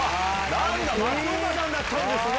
なんだ、松岡さんだったんですね。